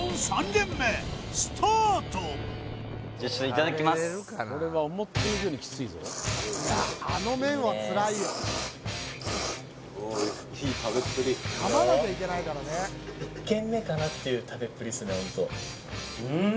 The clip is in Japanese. １軒目かなっていう食べっぷりっすね